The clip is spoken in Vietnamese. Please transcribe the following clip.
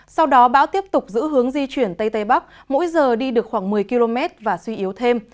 sau đó bão tiếp tục giữ hướng di chuyển tây tây bắc mỗi giờ đi được khoảng một mươi km và suy yếu thêm